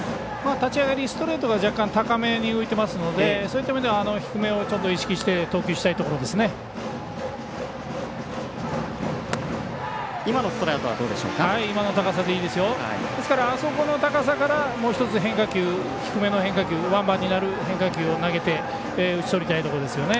立ち上がり、ストレートが若干高めに浮いてますのでそういった意味では低め意識して投球したいところですね。